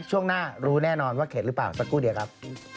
ช่วงหน้ารู้แน่นอนว่าเข็ดหรือเปล่าสักครู่เดียวครับ